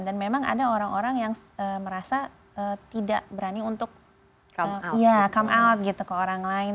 dan memang ada orang orang yang merasa tidak berani untuk come out gitu ke orang lain